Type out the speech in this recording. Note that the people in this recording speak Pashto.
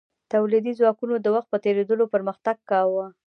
تولیدي ځواکونو د وخت په تیریدو پرمختګ کاوه.